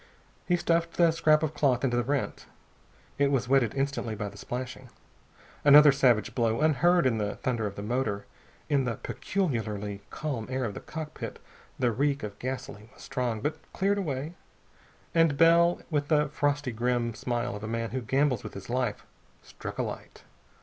He stuffed the scrap of cloth into the rent. It was wetted instantly by the splashing. Another savage blow, unheard in the thunder of the motor. In the peculiarly calm air of the cockpit the reek of gasoline was strong, but cleared away. And Bell, with the frosty grim smile of a man who gambles with his life, struck a light.